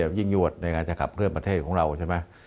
ยิ่งยวดในการจะขับเคลื่อนประเทศของเราใช่ไหม